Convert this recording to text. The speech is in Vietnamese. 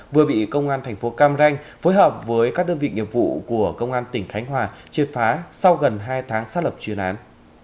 vừa bị công an thành phố cam ranh phối hợp với các đơn vị nghiệp vụ của công an tỉnh khánh hòa triệt phá sau gần hai tháng xác lập chuyên án